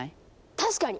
確かに！